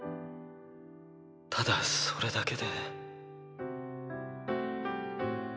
ただそれだけで。